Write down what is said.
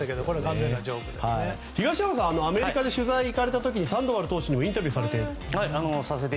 東山さん、アメリカに取材に行かれた時にサンドバル投手にもインタビューされて。